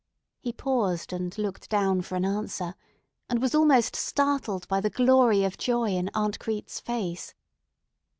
He paused and looked down for an answer, and was almost startled by the glory of joy in Aunt Crete's face.